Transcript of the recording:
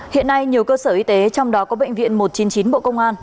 hiện nay nhiều cơ sở y tế trong đó có bệnh viện một trăm chín mươi chín bộ công an